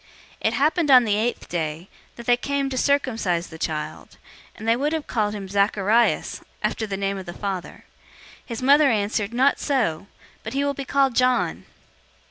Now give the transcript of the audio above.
001:059 It happened on the eighth day, that they came to circumcise the child; and they would have called him Zacharias, after the name of the father. 001:060 His mother answered, "Not so; but he will be called John."